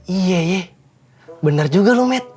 iya iya benar juga lu met